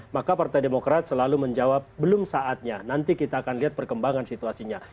maka partai demokrat selalu menjawab belum saatnya nanti kita akan lihat perkembangan situasinya